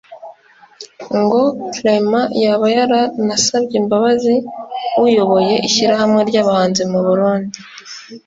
ngo Clement yaba yaranasabye imbabazi uyoboye ishyirahamwe ry'abahanzi mu Burundi